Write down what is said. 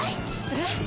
えっ！？